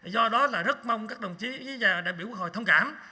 do đó là rất mong các đồng chí và đại biểu quốc hội thông cảm